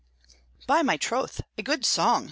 "By my troth, a good song!"